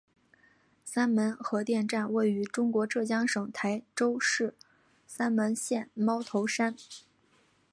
三门核电站位于中国浙江省台州市三门县猫头山。